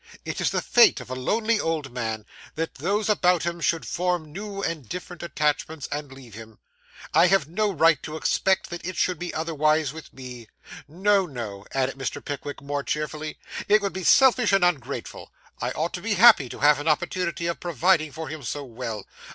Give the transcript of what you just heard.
It is the fate of a lonely old man, that those about him should form new and different attachments and leave him. I have no right to expect that it should be otherwise with me. No, no,' added Mr. Pickwick more cheerfully, 'it would be selfish and ungrateful. I ought to be happy to have an opportunity of providing for him so well.